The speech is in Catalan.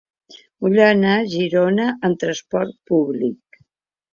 Vull anar a Girona amb trasport públic.